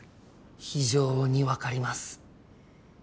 非常に分かります。